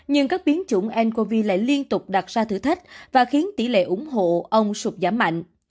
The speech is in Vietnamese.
nhưng các biến chủng ncov lại liên tục đặt ra thử thách và khiến tỷ lệ ủng hộ ông sụp giảm mạnh